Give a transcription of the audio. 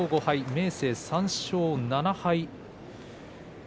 明生、３勝７敗。